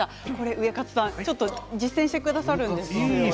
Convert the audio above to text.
ウエカツさんが実践してくださるんですね。